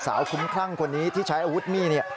สาวคุ้มครั่งคนนี้ที่ใช้อาวุธมีด